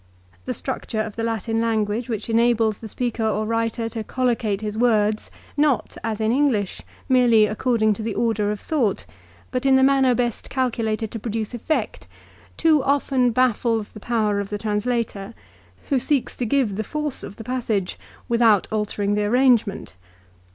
The structure of the Latin language which enables the speaker or writer to collocate his words, not, as in English, merely according to the order of thought, but in the manner best calculated to produce effect, too often baffles the powers of the translator, who seeks to give the force of the passage without altering the arrange ment.